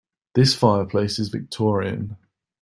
This fireplace is Victorian.